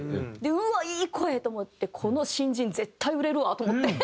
うわっいい声！と思ってこの新人絶対売れるわと思って。